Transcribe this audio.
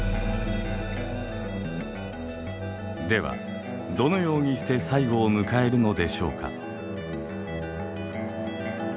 ではどのようにして最後を迎えるのでしょうか。